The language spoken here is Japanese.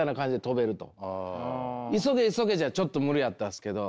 急げ急げじゃちょっと無理やったんですけど。